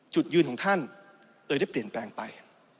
จุดยืนของท่านเลยได้เปลี่ยนแปลงไป